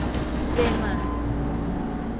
เจ มาร์ท